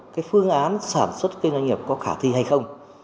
cái phương án sản xuất kinh doanh nghiệp có khả thi hay không